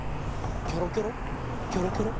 キョロキョロキョロキョロ。